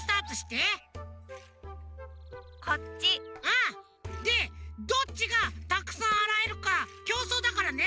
うん！でどっちがたくさんあらえるかきょうそうだからね！